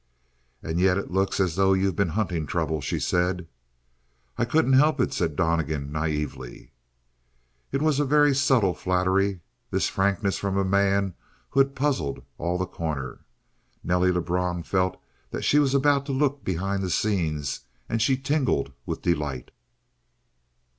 "And yet it looks as though you've been hunting trouble," she said. "I couldn't help it," said Donnegan naïvely. It was a very subtle flattery, this frankness from a man who had puzzled all The Corner. Nelly Lebrun felt that she was about to look behind the scenes and she tingled with delight.